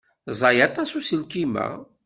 Ẓẓay aṭas uselkim-a.